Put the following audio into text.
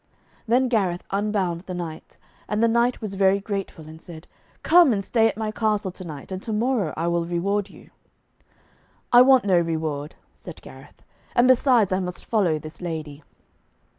Then Gareth unbound the knight. And the knight was very grateful, and said, 'Come and stay at my castle to night, and to morrow I will reward you.' 'I want no reward,' said Gareth. 'And besides, I must follow this lady.'